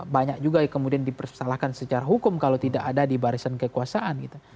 banyak juga yang kemudian dipersalahkan secara hukum kalau tidak ada di barisan kekuasaan gitu